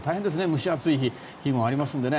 蒸し暑い日もありますので。